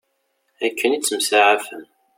Akken ittemsaɛafen.